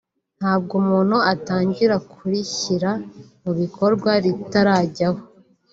ntabwo umuntu atangira kurishyira mu bikorwa ritarajyaho